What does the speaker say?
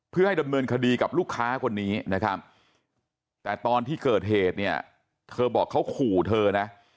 เพื่อให้ดำเนินคดีกับลูกค้าคนนี้นะครับแต่ตอนที่เกิดเหตุเนี่ยเธอบอกเขาขู่เธอนะ